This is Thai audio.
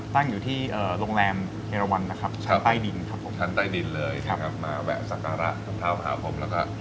ตั้งอยู่ที่เอ่อโรงแรมเฮรวัลนะครับใช่ครับชั้นใต้ดินครับผม